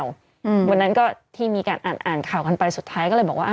วันนั้นก็ที่มีการอ่านอ่านข่าวกันไปสุดท้ายก็เลยบอกว่า